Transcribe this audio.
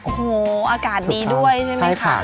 โอ้โหอากาศดีด้วยใช่มั้ยค่ะใช่ค่ะ